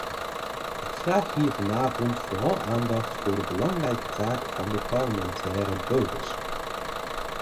Ik vraag hier vanavond vooral aandacht voor de belangrijke taak van de parlementaire bodes.